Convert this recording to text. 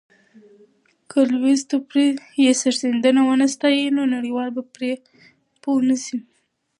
که لويس دوپري یې سرښندنه ونه ستایي، نو نړیوال به پرې پوه نه سي.